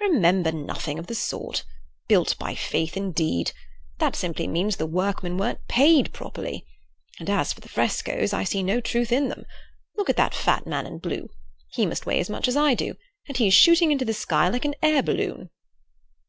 "Remember nothing of the sort! Built by faith indeed! That simply means the workmen weren't paid properly. And as for the frescoes, I see no truth in them. Look at that fat man in blue! He must weigh as much as I do, and he is shooting into the sky like an air balloon."